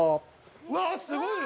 うわっすごいよ。